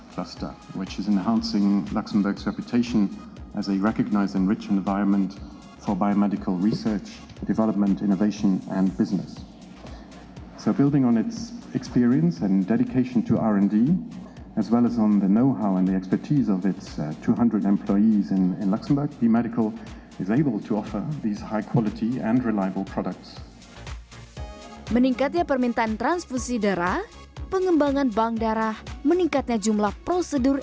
meningkatnya permintaan transfusi darah pengembangan bank darah meningkatnya jumlah prosedur